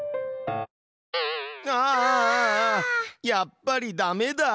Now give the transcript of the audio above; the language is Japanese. やっぱりダメだ。